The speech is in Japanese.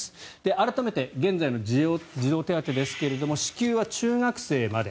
改めて、現在の児童手当ですが支給は中学生まで。